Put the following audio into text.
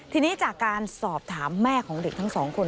ทีนี้จากการสอบถามแม่ของเด็กทั้งสองคน